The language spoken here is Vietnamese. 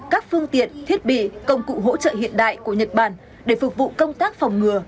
các phương tiện thiết bị công cụ hỗ trợ hiện đại của nhật bản để phục vụ công tác phòng ngừa